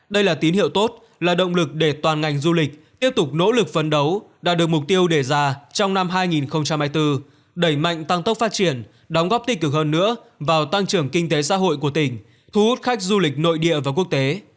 đây là tín hiệu tốt là động lực để toàn ngành du lịch tiếp tục nỗ lực phấn đấu đạt được mục tiêu đề ra trong năm hai nghìn hai mươi bốn đẩy mạnh tăng tốc phát triển đóng góp tích cực hơn nữa vào tăng trưởng kinh tế xã hội của tỉnh thu hút khách du lịch nội địa và quốc tế